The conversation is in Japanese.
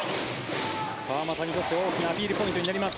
川真田にとって大きなアピールポイントになります。